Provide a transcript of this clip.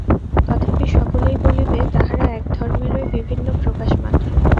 তথাপি সকলেই বলিবে, তাহারা এক ধর্মেরই বিভিন্ন প্রকাশ মাত্র।